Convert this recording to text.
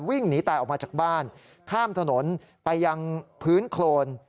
วิ่งหนีตายออกมาจากบ้านข้ามถนนไปยังพื้นโครน